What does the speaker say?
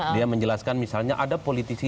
dia menjelaskan misalnya ada politisi